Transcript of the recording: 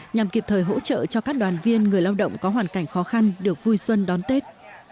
nhằm kịp thời hỗ trợ cho các đoàn viên người lao động có hoàn cảnh khó khăn được vui xuân đón tết